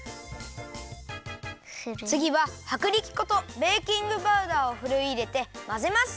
つぎははくりき粉とベーキングパウダーをふるいいれてまぜます！